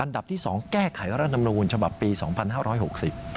อันดับที่สองแก้ไขรัฐธรรมนูญฉบับปีสองพันห้าร้อยหกสิบ